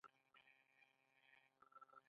لومړی د اردني سرحدي پولیسو له پوستې نه تېر شوم.